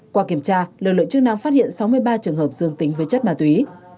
qua kiểm tra lực lượng chức năng phát hiện sáu mươi ba trường hợp dương tính với chất ma túy